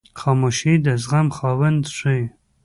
خاموشي، د زغم خاوند ښیي.